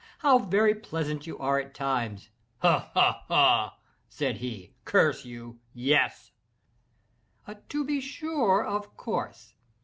—how very pleasant you are at times." "Ha! ha! ha!" said he, "curse you! yes!" "To be sure—of course!